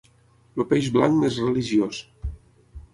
El peix blanc més religiós.